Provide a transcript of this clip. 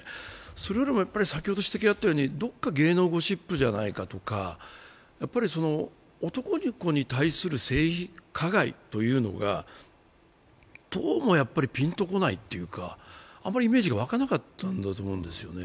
それよりもどこか芸能ゴシップじゃないかとか男の子に対する性加害というのがどうもピンと来ないというか、あまりイメージがわかなかったんだと思うんですよね。